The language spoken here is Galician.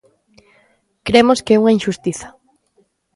Cremos que é unha inxustiza.